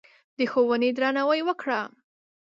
د ښوونې درناوی وکړه.